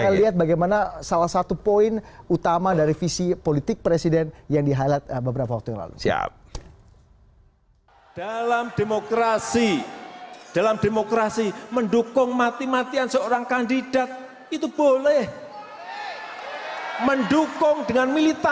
kita akan lihat bagaimana salah satu poin utama dari visi politik presiden yang di highlight ini